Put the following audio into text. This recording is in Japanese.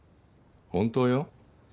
本当よ。